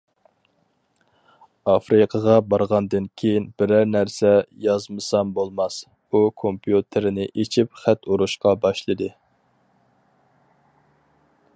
‹‹ ئافرىقىغا بارغاندىن كېيىن بىرەر نەرسە يازمىسام بولماس›› ئۇ كومپيۇتېرنى ئېچىپ خەت ئۇرۇشقا باشلىدى.